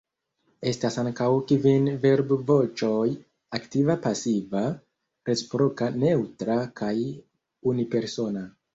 Estas ankaŭ kvin verbvoĉoj: aktiva, pasiva, reciproka, neŭtra kaj unipersona.